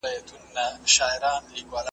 ته د ژوند له تنهایی څخه ډارېږې `